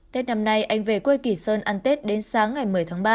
tết năm nay anh về quê kỳ sơn ăn tết đến sáng ngày một mươi tháng ba